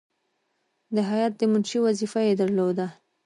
د هیات د منشي وظیفه یې درلوده.